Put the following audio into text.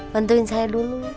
bantuin saya dulu